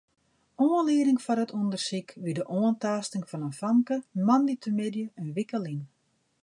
Oanlieding foar it ûndersyk wie de oantaasting fan in famke moandeitemiddei in wike lyn.